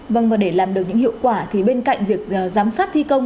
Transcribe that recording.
vâng và để làm được những hiệu quả thì bên cạnh việc giám sát thi công